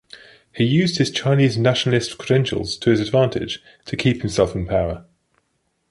He used his Chinese nationalist credentials to his advantage to keep himself in power.